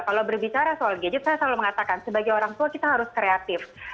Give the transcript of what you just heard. kalau berbicara soal gadget saya selalu mengatakan sebagai orang tua kita harus kreatif